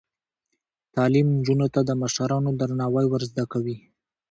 تعلیم نجونو ته د مشرانو درناوی ور زده کوي.